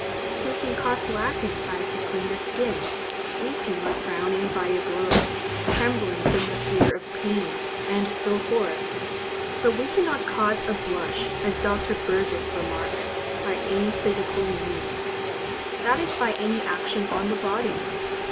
We can cause laughing by tickling the skin, weeping or frowning by a blow, trembling from the fear of pain, and so forth; but we cannot cause a blush, as Dr. Burgess remarks, by any physical means,—that is by any action on the body.